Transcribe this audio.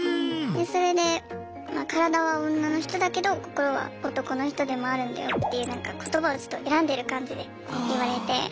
それで「体は女の人だけど心は男の人でもあるんだよ」っていう言葉をちょっと選んでる感じで言われて。